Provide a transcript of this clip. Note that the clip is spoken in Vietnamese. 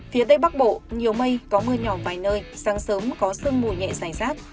phía tây bắc bộ nhiều mây có mưa nhỏ vài nơi sáng sớm có sương mù nhẹ dài rác